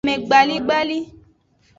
Amegbaligbali.